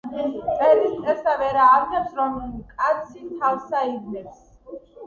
მტერი მტერსა ვერას ავნებს, რომე კაცი თავსა ივნებს